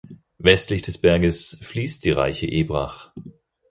Westlich des Berges fließt die Reiche Ebrach.